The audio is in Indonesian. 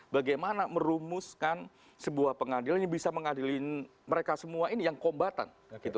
bagaimana merumuskan sebuah pengadilan yang bisa mengadilin mereka semua ini yang kombatan